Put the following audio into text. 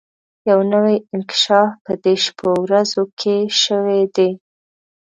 يو نوی انکشاف په دې شپو ورځو کې شوی دی.